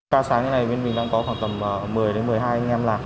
sao sáng như thế này bên mình đang có khoảng tầm một mươi đến một mươi hai anh em làng